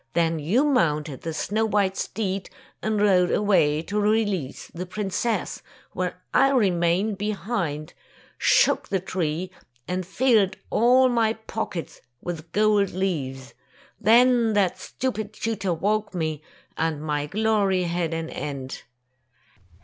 Then you mounted the snow white steed and rode away to release the princess, while I remained be hind, shook the tree, and filled all my pockets with gold leaves. Then that stupid tutor woke me, and my glory had an end."